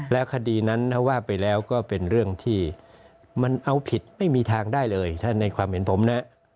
แล้วคดีนั้นถ้าว่าไปแล้วก็เป็นเรื่องที่มันเอาผิดไม่มีทางได้เลยถ้าในความเห็นผมนะ